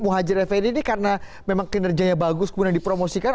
muhajir fd ini karena kinerjanya bagus kemudian dipromosikan